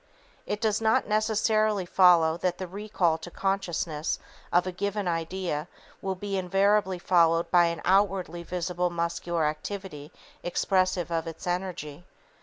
It does not necessarily follow that the recall to consciousness of a given idea will be invariably followed by an outwardly visible muscular activity expressive of its energy.